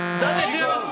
違います。